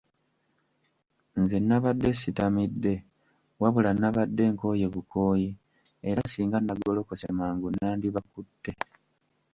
Nze nabadde sitamidde, wabula nabadde nkooye bukooyi; era singa nagolokose mangu nandibakutte.